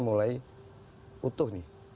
mulai utuh nih